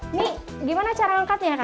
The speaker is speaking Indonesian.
ini gimana cara angkatnya kan